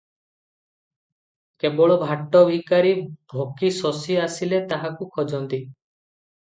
କେବଳ ଭାଟ, ଭିକାରୀ, ଭୋକୀ, ଶୋଷୀ ଆସିଲେ ତାହାଙ୍କୁ ଖୋଜନ୍ତି ।